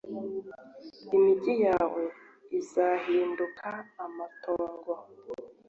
imigi yawe izahinduka amatongo